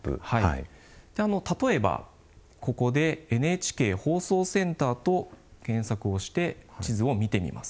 例えば、ここで「ＮＨＫ放送センター」と検索をして地図を見てみます。